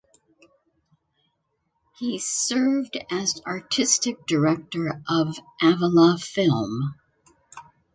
He served as artistic director of Avala Film.